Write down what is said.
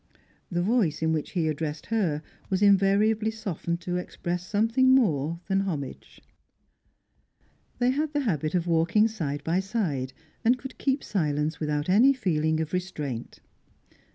The voice in which he addressed her was invariably softened to express something more than homage. They had the habit of walking side by side, and could keep silence without any feeling of restraint.